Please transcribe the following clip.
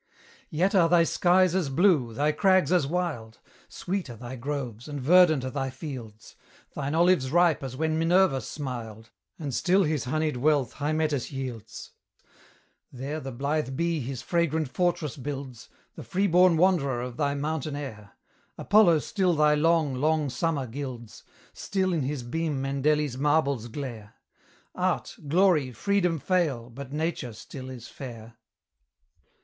Yet are thy skies as blue, thy crags as wild: Sweet are thy groves, and verdant are thy fields, Thine olives ripe as when Minerva smiled, And still his honeyed wealth Hymettus yields; There the blithe bee his fragrant fortress builds, The freeborn wanderer of thy mountain air; Apollo still thy long, long summer gilds, Still in his beam Mendeli's marbles glare; Art, Glory, Freedom fail, but Nature still is fair.